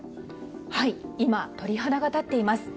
はい、今、鳥肌が立っています。